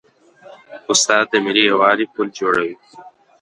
استاد د ملي یووالي پل جوړوي.